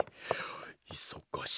いそがし